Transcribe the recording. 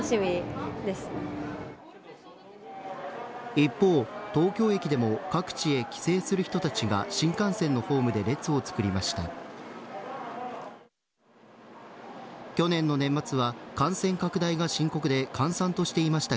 一方、東京駅でも各地へ帰省する人たちが新幹線のホームで列をつくりました。